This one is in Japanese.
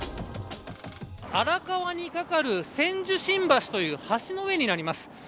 荒川にかかる千住新橋という橋の上になります。